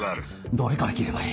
どれから切ればいい？